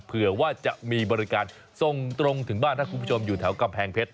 เผื่อว่าจะมีบริการส่งตรงถึงบ้านถ้าคุณผู้ชมอยู่แถวกำแพงเพชร